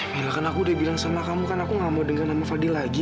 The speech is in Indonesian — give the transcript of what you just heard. mil kan aku udah bilang sama kamu kan aku gak mau dengar nama fadil lagi